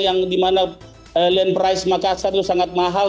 yang dimana land price makassar itu sangat mahal